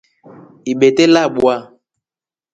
Ibite labwa.